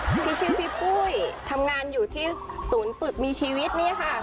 ที่ชื่อพี่ปุ้ยทำงานอยู่ที่ศูนย์ฝึกมีชีวิตเนี่ยค่ะ